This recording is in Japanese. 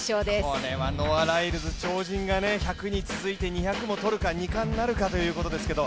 これはノア・ライルズ、超人が１００に続いて２００も取るか、２冠なるかということですけど。